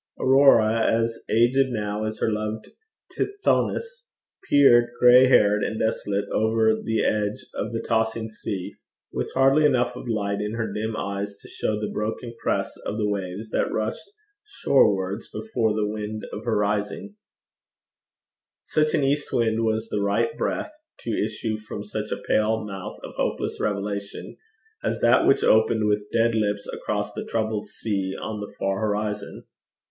Aurora, as aged now as her loved Tithonus, peered, gray haired and desolate, over the edge of the tossing sea, with hardly enough of light in her dim eyes to show the broken crests of the waves that rushed shorewards before the wind of her rising. Such an east wind was the right breath to issue from such a pale mouth of hopeless revelation as that which opened with dead lips across the troubled sea on the far horizon.